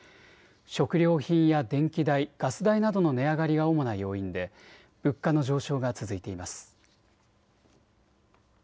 食料品や電気代・ガス代などの値上がりが主な要因で物価の上昇が続いています。